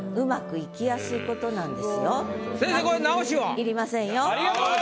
要りませんよ。